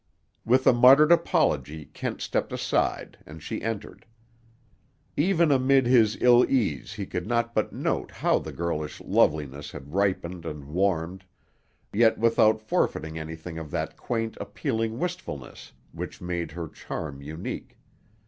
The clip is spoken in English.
With a muttered apology Kent stepped aside, and she entered. Even amid his ill ease he could not but note how the girlish loveliness had ripened and warmed, yet without forfeiting anything of that quaint appealing wistfulness which made her charm unique.